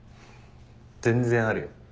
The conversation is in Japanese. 全然あるよ。